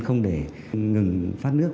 không để ngừng phát nước